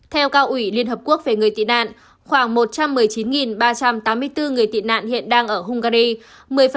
theo cao ủy liên hợp quốc về người tị nạn khoảng một trăm một mươi chín ba trăm tám mươi bốn người tị nạn hiện đang ở hungary